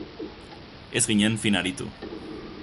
Ez ginen fin aritu.